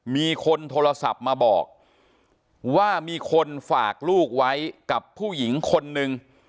มีคนโทรศัพท์มาบอกว่ามีคนฝากลูกไว้กับผู้หญิงคนนึง